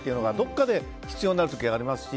どこかで必要になる時がありますし。